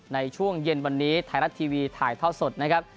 ในช่วงเย็นวันนี้ไทยรัฐทีวีถ่ายท่อสดนะครับ